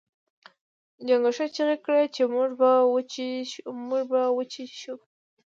چنګښو چیغې کړې چې موږ به وچې شو.